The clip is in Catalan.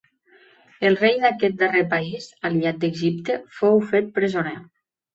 El rei d'aquest darrer país, aliat d'Egipte, fou fet presoner.